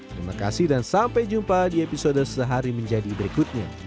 terima kasih dan sampai jumpa di episode sehari menjadi berikutnya